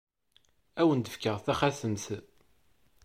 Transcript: Ad awen-d-fkeɣ taxatemt.